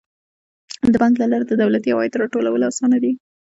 د بانک له لارې د دولتي عوایدو راټولول اسانه دي.